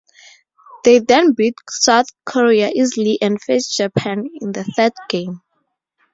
They then beat South Korea easily and faced Japan in the third game.